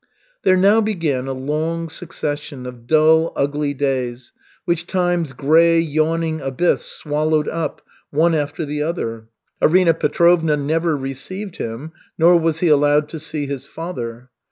There now began a long succession of dull, ugly days, which Time's grey, yawning abyss swallowed up, one after the other. Arina Petrovna never received him, nor was he allowed to see his father.